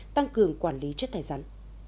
tăng cường quản lý chất thải rắn